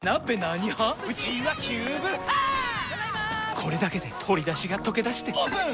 これだけで鶏だしがとけだしてオープン！